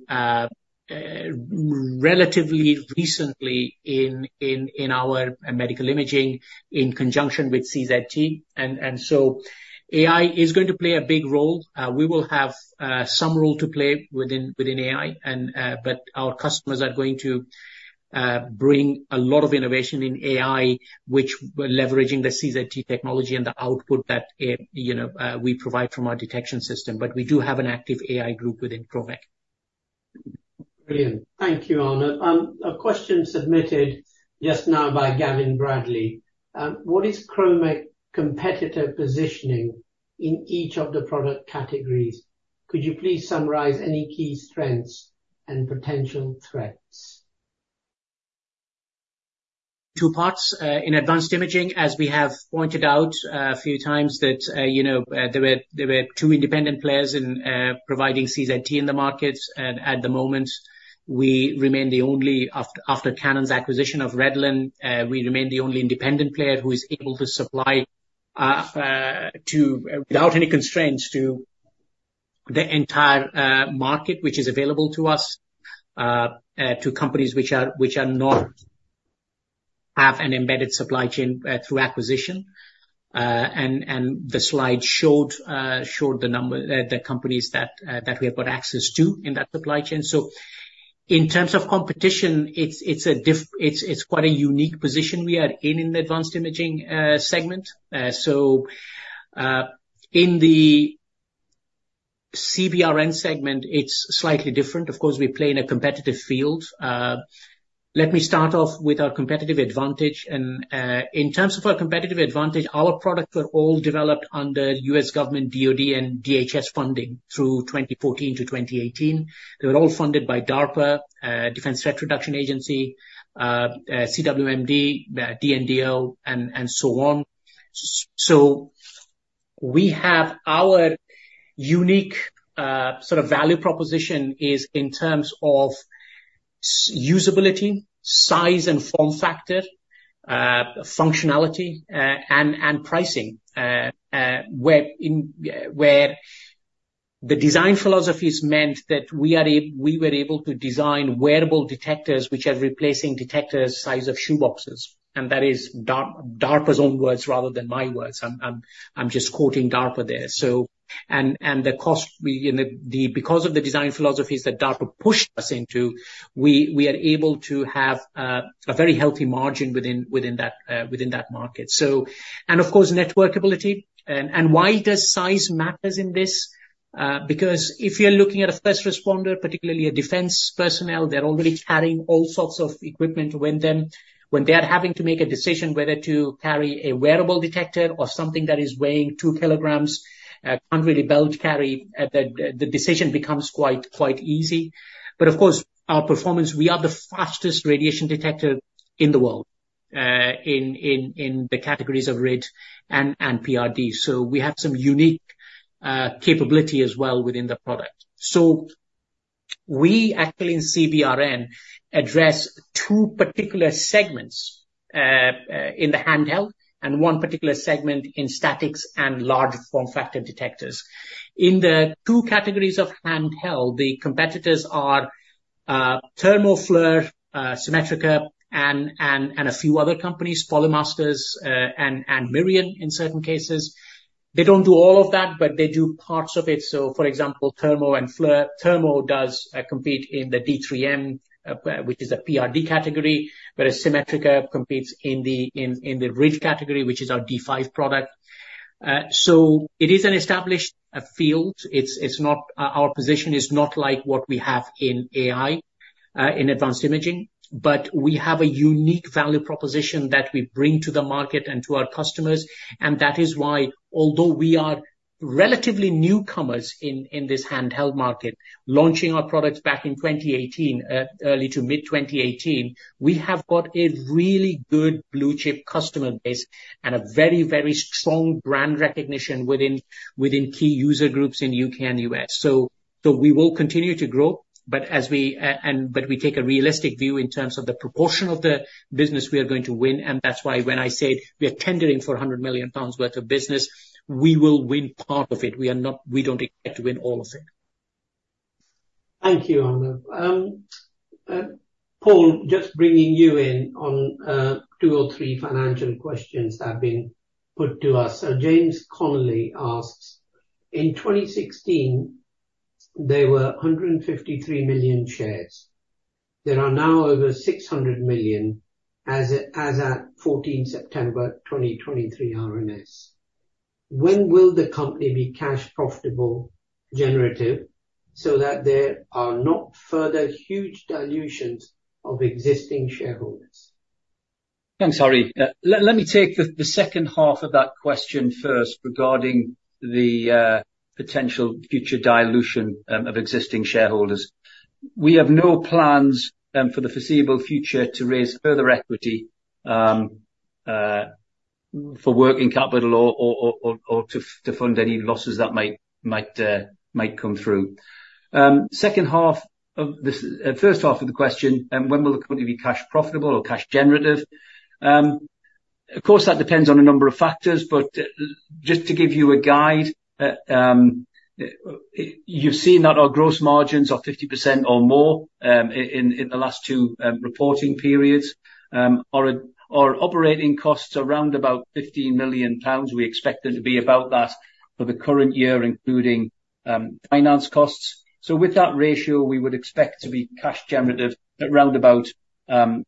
relatively recently in our medical imaging in conjunction with CZT. And so AI is going to play a big role. We will have some role to play within AI and, but our customers are going to bring a lot of innovation in AI, which leveraging the CZT technology and the output that, you know, we provide from our detection system. But we do have an active AI group within Kromek. Brilliant. Thank you, Arnab. A question submitted just now by Gavin Bradley. What is Kromek's competitor positioning in each of the product categories? Could you please summarize any key strengths and potential threats? Two parts, in advanced imaging, as we have pointed out a few times that, you know, there were two independent players in providing CZT in the markets. At the moment, after Canon's acquisition of Redlen, we remain the only independent player who is able to supply without any constraints to the entire market, which is available to us to companies which are not have an embedded supply chain through acquisition. And the slide showed the number, the companies that we have got access to in that supply chain. In terms of competition, it's quite a unique position we are in in the advanced imaging segment. In the CBRN segment, it's slightly different. Of course, we play in a competitive field. Let me start off with our competitive advantage. In terms of our competitive advantage, our products were all developed under U.S. government DOD and DHS funding through 2014 to 2018. They were all funded by DARPA, Defense Threat Reduction Agency, CWMD, DNDO, and so on. So we have our unique, sort of value proposition is in terms of usability, size and form factor, functionality, and pricing, where the design philosophy is meant that we are able, we were able to design wearable detectors, which are replacing detectors the size of shoe boxes. And that is DARPA's own words rather than my words. I'm just quoting DARPA there. So the cost we, you know, because of the design philosophy that DARPA pushed us into, we are able to have a very healthy margin within that market. So, and of course, networkability. And why does size matter in this? Because if you're looking at a first responder, particularly a defense personnel, they're already carrying all sorts of equipment with them, when they are having to make a decision whether to carry a wearable detector or something that is weighing 2 kg, can't really belt carry, the decision becomes quite easy. But of course, our performance, we are the fastest radiation detector in the world, in the categories of RID and PRD. So we have some unique capability as well within the product. So we actually in CBRN address two particular segments, in the handheld and one particular segment in statics and large form factor detectors. In the two categories of handheld, the competitors are Thermo, FLIR, Symmetrica, and a few other companies, Polymaster, and Mirion in certain cases. They don't do all of that, but they do parts of it. So for example, Thermo and FLIR, Thermo does compete in the D3M, which is a PRD category, whereas Symmetrica competes in the RID category, which is our D5 product. So it is an established field. It's not. Our position is not like what we have in AI in advanced imaging, but we have a unique value proposition that we bring to the market and to our customers. And that is why, although we are relatively newcomers in this handheld market, launching our products back in 2018, early to mid 2018, we have got a really good blue chip customer base and a very strong brand recognition within key user groups in U.K. and U.S. We will continue to grow, but we take a realistic view in terms of the proportion of the business we are going to win. And that's why when I said we are tendering for 100 million pounds worth of business, we will win part of it. We don't expect to win all of it. Thank you, Arnab. Paul, just bringing you in on two or three financial questions that have been put to us. James Connolly asks, in 2016, there were 153 million shares. There are now over 600 million as at 14 September 2023 RNS. When will the company be cash profitable, generative so that there are not further huge dilutions of existing shareholders? I'm sorry. Let me take the second half of that question first regarding the potential future dilution of existing shareholders. We have no plans for the foreseeable future to raise further equity for working capital or to fund any losses that might come through. Second half of this, first half of the question, when will the company be cash profitable or cash generative? Of course, that depends on a number of factors, but just to give you a guide, you've seen that our gross margins are 50% or more in the last two reporting periods or operating costs around about 15 million pounds. We expect it to be about that for the current year, including finance costs, so with that ratio, we would expect to be cash generative at round about 30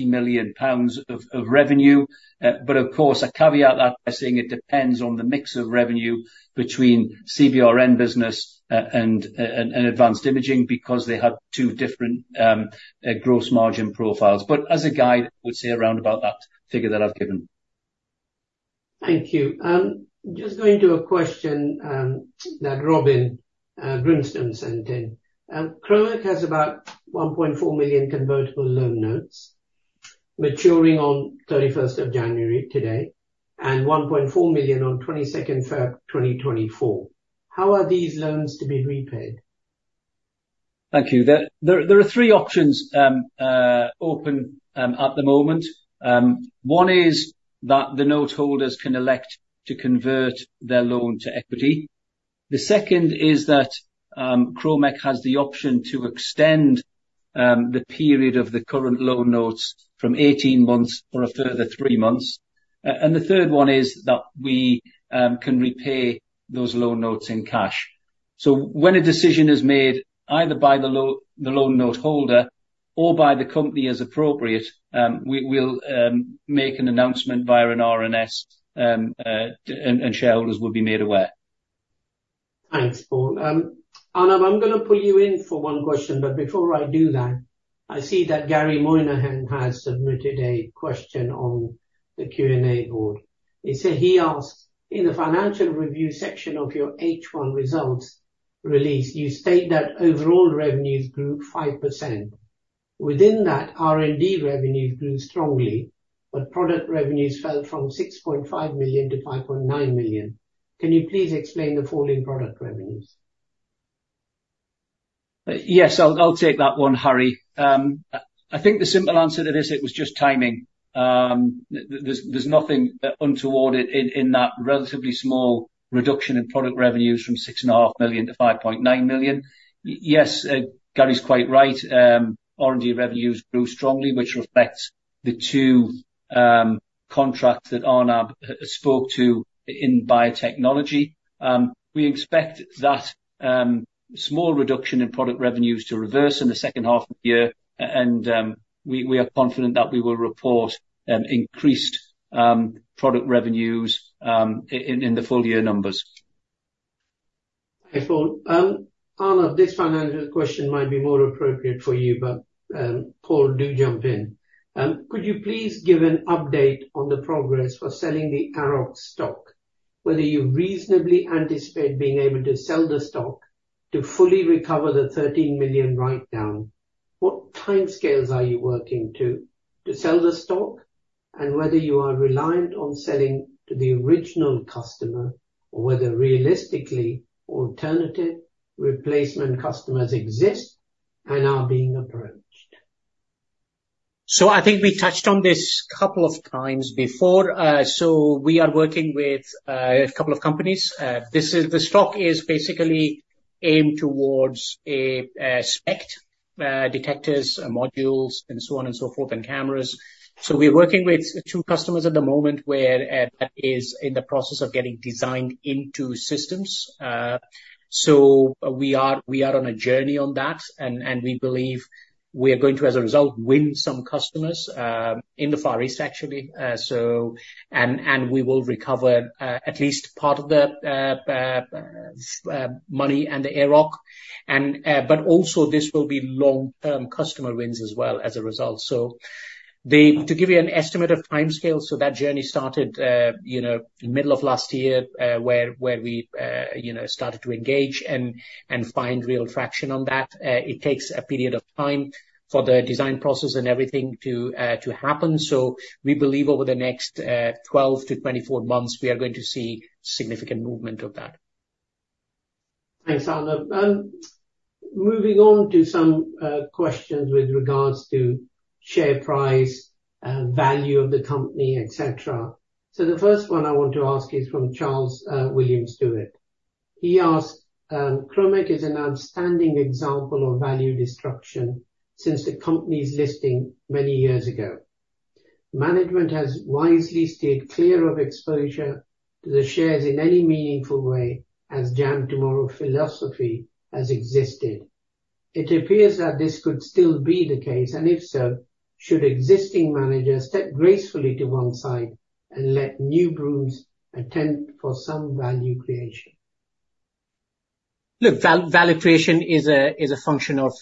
million pounds of revenue. But of course, a caveat that we're saying it depends on the mix of revenue between CBRN business and advanced imaging because they have two different gross margin profiles. But as a guide, I would say around about that figure that I've given. Thank you. Just going to a question that Robin Grimston sent in. Kromek has about 1.4 million convertible loan notes maturing on 31st of January today and 1.4 million on 22nd February 2024. How are these loans to be repaid? Thank you. There are three options open at the moment. One is that the noteholders can elect to convert their loan to equity. The second is that Kromek has the option to extend the period of the current loan notes from 18 months for a further three months. And the third one is that we can repay those loan notes in cash. So when a decision is made either by the loan, the loan note holder or by the company as appropriate, we will make an announcement via an RNS, and shareholders will be made aware. Thanks, Paul. Arnab, I'm going to pull you in for one question, but before I do that, I see that Gary Moynihan has submitted a question on the Q&A board. He said he asked, in the financial review section of your H1 results release, you state that overall revenues grew 5%. Within that, R&D revenues grew strongly, but product revenues fell from 6.5 million to 5.9 million. Can you please explain the fall in product revenues? Yes, I'll take that one, Harry. I think the simple answer to this, it was just timing. There's nothing untoward in that relatively small reduction in product revenues from 6.5 million to 5.9 million. Yes, Gary's quite right. R&D revenues grew strongly, which reflects the two contracts that Arnab spoke to in biotechnology. We expect that small reduction in product revenues to reverse in the second half of the year. And we are confident that we will report increased product revenues in the full year numbers. Thank you, Paul. Arnab, this financial question might be more appropriate for you, but Paul, do jump in. Could you please give an update on the progress for selling the Acrorad stock? Whether you reasonably anticipate being able to sell the stock to fully recover the 13 million write-down, what timescales are you working to to sell the stock and whether you are reliant on selling to the original customer or whether realistically alternative replacement customers exist and are being approached? So I think we touched on this a couple of times before. We are working with a couple of companies. This is the stock is basically aimed towards SPECT detectors, modules, and so on and so forth, and cameras. We're working with two customers at the moment where that is in the process of getting designed into systems. We are on a journey on that and we believe we are going to, as a result, win some customers in the Far East, actually. We will recover at least part of the money and the Acrorad. But also this will be long-term customer wins as well as a result. They, to give you an estimate of timescale, that journey started, you know, in the middle of last year, where we, you know, started to engage and find real traction on that. It takes a period of time for the design process and everything to happen. So we believe over the next 12-24 months, we are going to see significant movement of that. Thanks, Arnab. Moving on to some questions with regards to share price, value of the company, et cetera. So the first one I want to ask is from Charles Williams-Stuart. He asked, Kromek is an outstanding example of value destruction since the company's listing many years ago. Management has wisely steered clear of exposure to the shares in any meaningful way as Jam Tomorrow philosophy has existed. It appears that this could still be the case. And if so, should existing managers step gracefully to one side and let new brooms attempt for some value creation? Look, value creation is a function of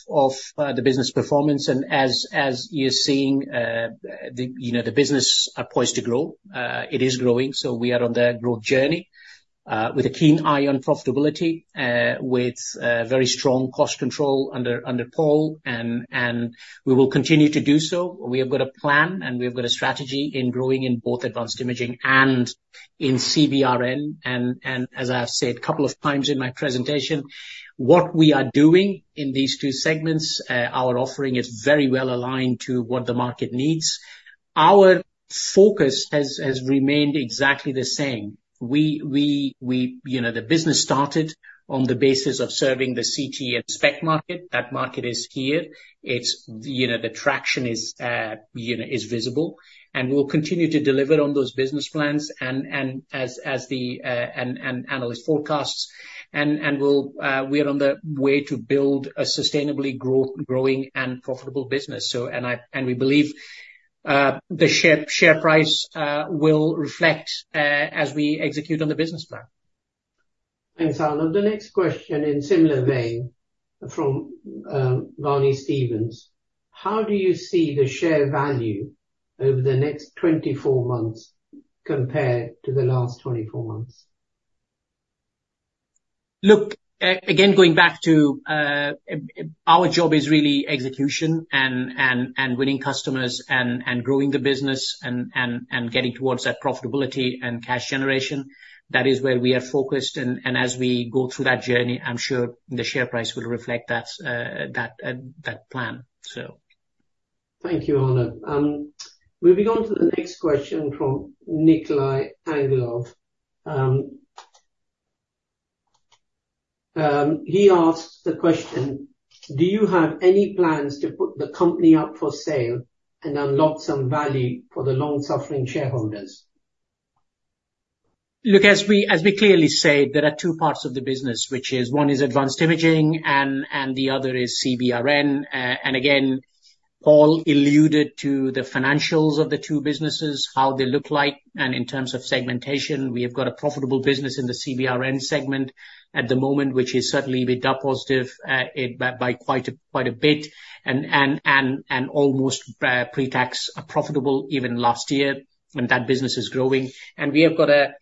the business performance. And as you're seeing, you know, the business poised to grow. It is growing. So we are on the growth journey, with a keen eye on profitability, with very strong cost control under Paul. And we will continue to do so. We have got a plan and we have got a strategy in growing in both advanced imaging and in CBRN. And as I've said a couple of times in my presentation, what we are doing in these two segments, our offering is very well aligned to what the market needs. Our focus has remained exactly the same. We, you know, the business started on the basis of serving the CT and SPECT market. That market is here. It's, you know, the traction is, you know, visible and we'll continue to deliver on those business plans and as the analyst forecasts and we'll, we are on the way to build a sustainable growth, growing and profitable business. So we believe the share price will reflect as we execute on the business plan. Thanks, Arnab. The next question in similar vein from Barney Stevens. How do you see the share value over the next 24 months compared to the last 24 months? Look, again, going back to our job is really execution and winning customers and growing the business and getting towards that profitability and cash generation. That is where we are focused. And as we go through that journey, I'm sure the share price will reflect that plan. So. Thank you, Arnab. Moving on to the next question from Nikolai Angelov. He asks the question, do you have any plans to put the company up for sale and unlock some value for the long-suffering shareholders? Look, as we clearly say, there are two parts of the business, which is one is advanced imaging and the other is CBRN. And again, Paul alluded to the financials of the two businesses, how they look like. In terms of segmentation, we have got a profitable business in the CBRN segment at the moment, which is certainly a bit positive, by quite a bit and almost pre-tax profitable even last year when that business is growing. We have got a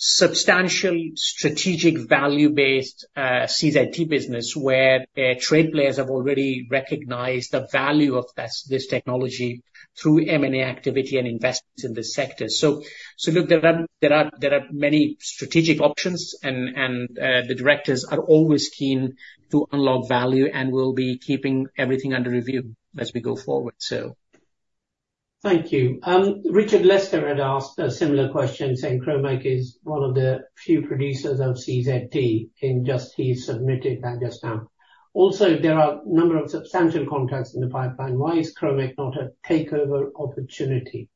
substantial strategic value-based, CZT business where trade players have already recognized the value of this technology through M&A activity and investments in this sector. So look, there are many strategic options and the directors are always keen to unlock value and we'll be keeping everything under review as we go forward. Thank you. Richard Lester had asked a similar question saying Kromek is one of the few producers of CZT and just he submitted that just now. Also, there are a number of substantial contracts in the pipeline. Why is Kromek not a takeover opportunity?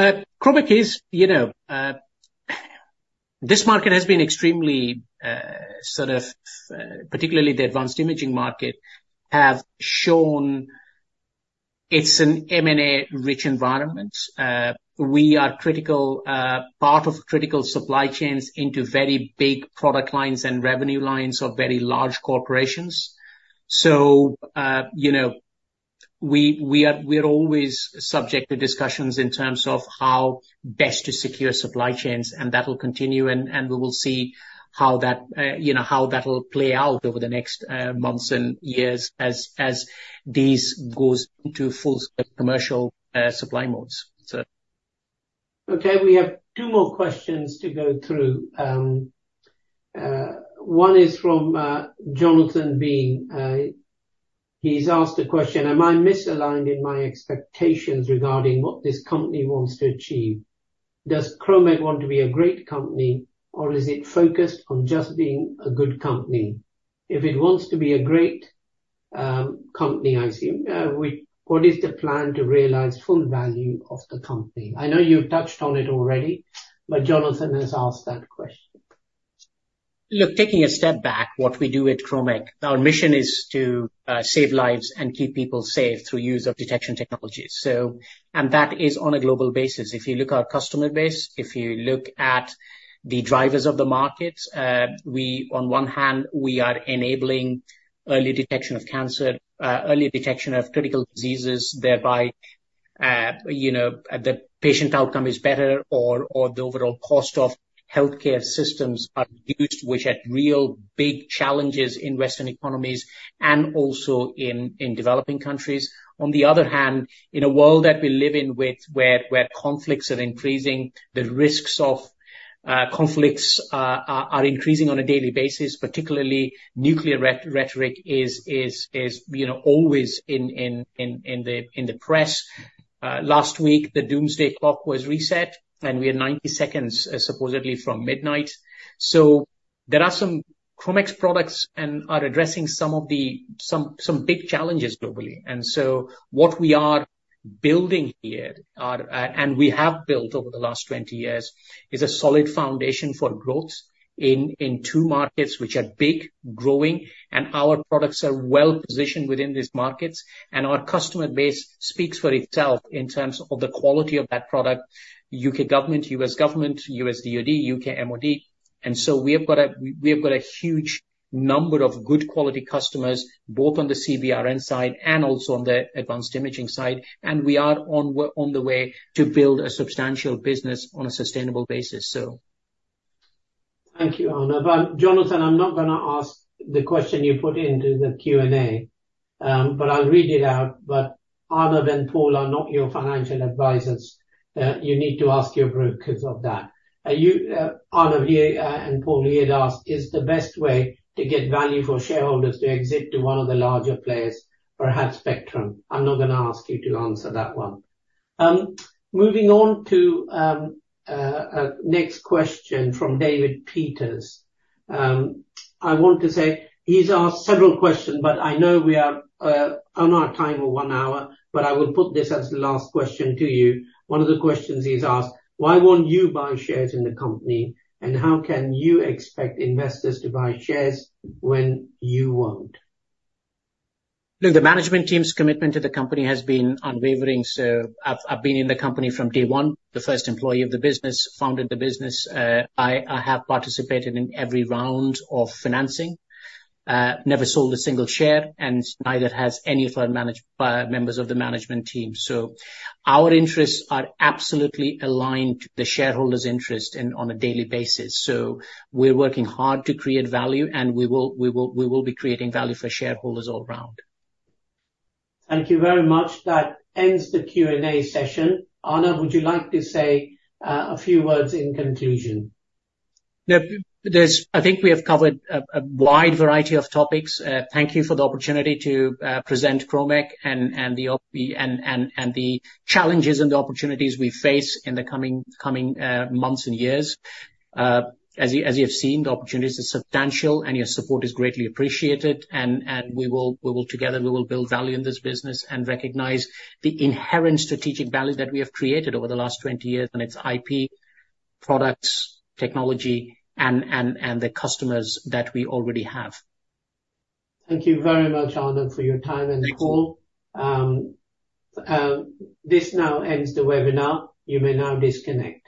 Kromek is, you know, this market has been extremely, sort of, particularly the advanced imaging market have shown it's an M&A rich environment. We are critical, part of critical supply chains into very big product lines and revenue lines of very large corporations. So, you know, we are always subject to discussions in terms of how best to secure supply chains and that'll continue and we will see how that, you know, how that'll play out over the next months and years as these goes into full commercial supply modes. So. Okay. We have two more questions to go through. One is from Jonathan Bean. He's asked a question: Am I misaligned in my expectations regarding what this company wants to achieve? Does Kromek want to be a great company or is it focused on just being a good company? If it wants to be a great company, I assume, what is the plan to realize full value of the company? I know you've touched on it already, but Jonathan has asked that question. Look, taking a step back, what we do at Kromek, our mission is to save lives and keep people safe through use of detection technologies. So, and that is on a global basis. If you look at our customer base, if you look at the drivers of the markets, we, on one hand, we are enabling early detection of cancer, early detection of critical diseases, thereby, you know, the patient outcome is better or, or the overall cost of healthcare systems are reduced, which are real big challenges in Western economies and also in, in developing countries. On the other hand, in a world that we live in with where conflicts are increasing, the risks of conflicts are increasing on a daily basis, particularly nuclear rhetoric is, you know, always in the press. Last week, the Doomsday Clock was reset and we are 90 seconds supposedly from midnight. So there are some Kromek's products and are addressing some of the big challenges globally. And so what we are building here are, and we have built over the last 20 years is a solid foundation for growth in two markets, which are big, growing, and our products are well positioned within these markets. And our customer base speaks for itself in terms of the quality of that product, U.K. government, U.S. government, U.S. DOD, U.K. MOD. We have got a huge number of good quality customers both on the CBRN side and also on the advanced imaging side. We are on the way to build a substantial business on a sustainable basis. Thank you, Arnab. Jonathan, I'm not going to ask the question you put into the Q&A, but I'll read it out. But Arnab and Paul are not your financial advisors. You need to ask your brokers of that. You, Arnab here and Paul here had asked, is the best way to get value for shareholders to exit to one of the larger players, perhaps Spectrum? I'm not going to ask you to answer that one. Moving on to next question from David Peters. I want to say he's asked several questions, but I know we are on our time of one hour, but I will put this as the last question to you. One of the questions he's asked, why won't you buy shares in the company and how can you expect investors to buy shares when you won't? Look, the management team's commitment to the company has been unwavering. So I've been in the company from day one, the first employee of the business, founded the business. I have participated in every round of financing, never sold a single share and neither has any of our management members of the management team. So our interests are absolutely aligned to the shareholders' interests and on a daily basis. So we're working hard to create value and we will be creating value for shareholders all round. Thank you very much. That ends the Q&A session. Arnab, would you like to say a few words in conclusion? No, there's, I think we have covered a wide variety of topics. Thank you for the opportunity to present Kromek and the challenges and the opportunities we face in the coming months and years. As you have seen, the opportunities are substantial and your support is greatly appreciated. And we will together build value in this business and recognize the inherent strategic value that we have created over the last 20 years and its IP, products, technology, and the customers that we already have. Thank you very much, Arnab, for your time and call. This now ends the webinar. You may now disconnect.